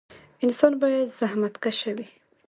انسان باید زخمتکشه وي